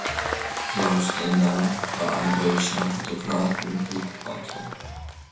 Klaus Ender war ein deutscher Fotograf und Buchautor.